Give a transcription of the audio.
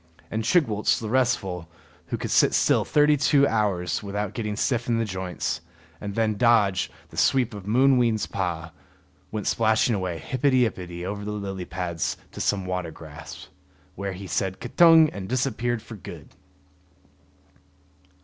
And Chigwooltz the restful, who could sit still thirty two hours without getting stiff in the joints, and then dodge the sweep of Mooween's paw, went splashing away hippety ippety over the lily pads to some water grass, where he said K'tung! and disappeared for good.